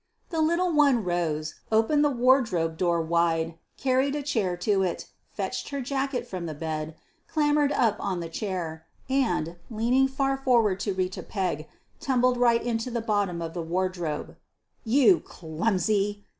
The little one rose, opened the wardrobe door wide, carried a chair to it, fetched her jacket from the bed, clambered up on the chair, and, leaning far forward to reach a peg, tumbled right into the bottom of the wardrobe. "You clumsy!"